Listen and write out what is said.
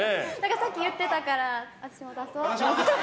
さっき言ってたから私も言おうって。